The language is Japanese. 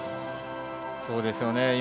そうですね。